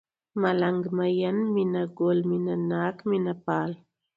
ملنگ ، مين ، مينه گل ، مينه ناک ، مينه پال